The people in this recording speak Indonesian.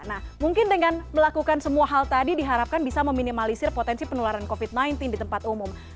nah mungkin dengan melakukan semua hal tadi diharapkan bisa meminimalisir potensi penularan covid sembilan belas di tempat umum